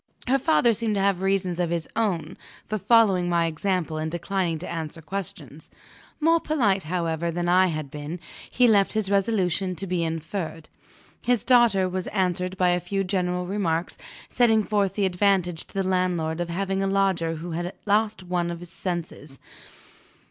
Her father seemed to have reasons of his own for following my example and declining to answer questions. More polite, however, than I had been, he left his resolution to be inferred. His daughter was answered by a few general remarks, setting forth the advantage to the landlord of having a lodger who had lost one of senses.